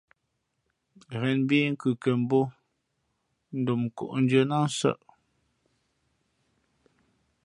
Ghen mbhǐ kʉkěn mbǒ dom nkóndʉ̄ᾱ nā nsαʼ.